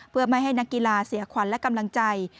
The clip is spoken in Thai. เพื่อไม่ให้นักกีฬาเสียขวัญและกำลังใจ